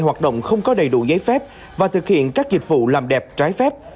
hoạt động không có đầy đủ giấy phép và thực hiện các dịch vụ làm đẹp trái phép